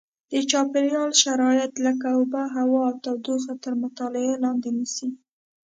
د چاپېریال شرایط لکه اوبه هوا او تودوخه تر مطالعې لاندې نیسي.